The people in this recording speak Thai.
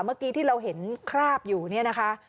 เมื่อกี้ที่เราเห็นคราบอยู่เนี่ยนะคะ